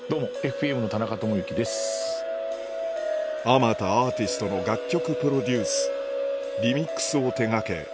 あまたアーティストの楽曲プロデュースリミックスを手掛け